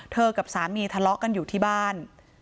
กับสามีทะเลาะกันอยู่ที่บ้าน